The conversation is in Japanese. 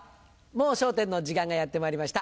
『もう笑点』の時間がやってまいりました。